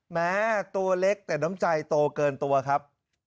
แม้ตัวเล็กแต่น้ำใจโตเกินตัวครับ